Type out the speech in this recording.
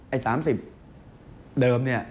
ไอ้๓๐เดิมเนี่ย